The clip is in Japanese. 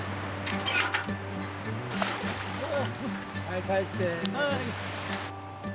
はい返して。